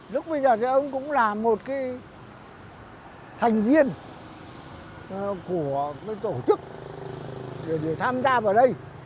lúc bây giờ thì ông cũng là một thành viên của tổ chức để tham gia vào đây